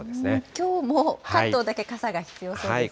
きょうも関東だけ傘が必要そうですか。